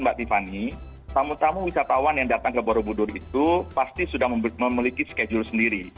mbak tiffany tamu tamu wisatawan yang datang ke borobudur itu pasti sudah memiliki schedule sendiri